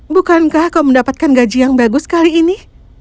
bukankah kau mendapatkan gaji yang bagus kali ini